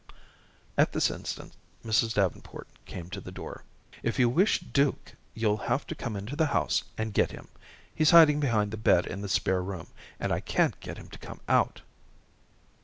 At this instant, Mrs. Davenport came to the door. "If you wish Duke, you'll have to come into the house and get him. He's hiding behind the bed in the spare room, and I can't get him to come out."